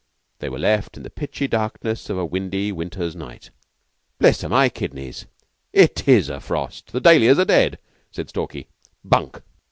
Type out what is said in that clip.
They were left in the pitchy darkness of a windy winter's night. "'Blister my kidneys. It is a frost. The dahlias are dead!'" said Stalky. "Bunk!"